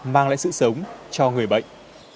mang lại sự sống cho người bệnh